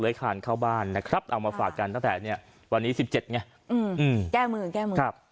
อืมแก้มือแก้มือ